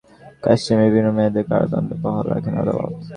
আরও ছয়টি অভিযোগে মীর কাসেমের বিভিন্ন মেয়াদে কারাদণ্ড বহাল রাখেন আদালত।